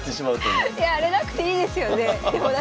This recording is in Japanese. いやあれなくていいですよね。